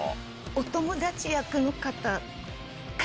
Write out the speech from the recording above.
お友達役の方か。